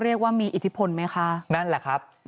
ปี๖๕วันเกิดปี๖๔ไปร่วมงานเช่นเดียวกัน